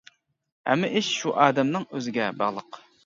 ھەممە ئىش شۇ ئادەمنىڭ ئۆزىگە باغلىق.